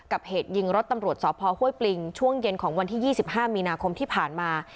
เหตุยิงรถตำรวจสพห้วยปริงช่วงเย็นของวันที่๒๕มีนาคมที่ผ่านมา